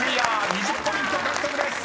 ２０ポイント獲得です］